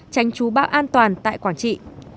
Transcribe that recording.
tranh trú bão an toàn tại quảng trị